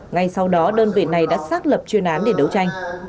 ngay sau đó đơn vị này đã xác lập chuyên án để đấu tranh